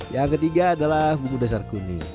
yang ketiga adalah bumbu dasar kuning